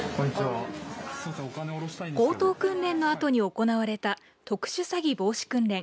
強盗訓練のあとに行われた特殊詐欺防止訓練。